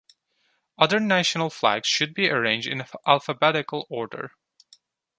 Other national flags should be arranged in alphabetical order.